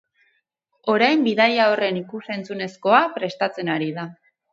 Orain bidaia horren ikusentzunezkoa prestatzen ari da.